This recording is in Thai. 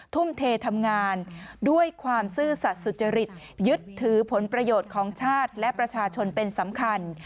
ทุ่มเททำงานด้วยความซื่อสัตว์สุจริตยึดถือผลประโยชน์ของชาติและประชาชนเป็นสำคัญ